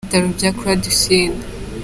Ibitaro bya La Croix du Sud.